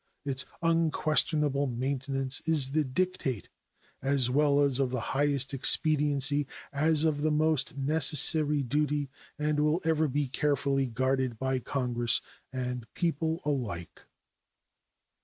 Its unquestionable maintenance is the dictate as well of the highest expediency as of the most necessary duty, and will ever be carefully guarded by Congress and people alike.